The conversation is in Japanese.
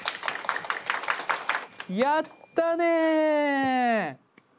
やったね！